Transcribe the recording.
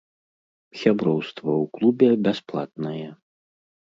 Сяброўства ў клубе бясплатнае.